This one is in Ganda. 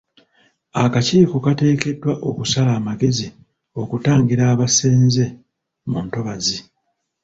Akakiiko kateekeddwa okusala amagezi okutangira abasenze mu ntobazi.